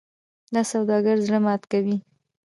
دا سوداګر زړه ماتې کوي.